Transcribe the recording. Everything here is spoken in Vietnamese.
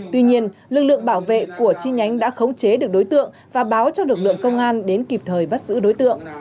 tuy nhiên lực lượng bảo vệ của chi nhánh đã khống chế được đối tượng và báo cho lực lượng công an đến kịp thời bắt giữ đối tượng